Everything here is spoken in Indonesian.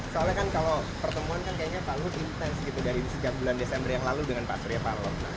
saya kan temanannya gak ada tindakan apa apa